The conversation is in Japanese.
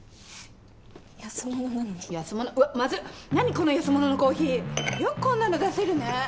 この安物のコーヒーよくこんなの出せるね。